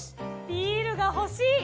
ビールが欲しい！